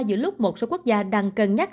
giữa lúc một số quốc gia đang cân nhắc